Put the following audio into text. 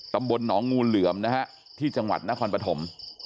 ตำบลหนองงูเหลือมนะฮะที่จังหวัดนครปฐม